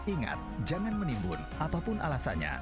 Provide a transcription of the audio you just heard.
ingat jangan menimbun apapun alasannya